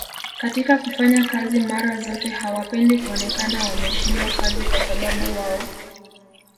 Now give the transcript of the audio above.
katika kufanya kazi mara zote hawapendi kuonekana wameshindwa kazi kwasababu wao